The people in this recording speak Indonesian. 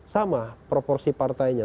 sama proporsi partainya